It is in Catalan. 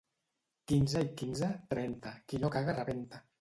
—Quinze i quinze? —Trenta. —Qui no caga rebenta.